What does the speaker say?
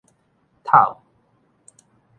敨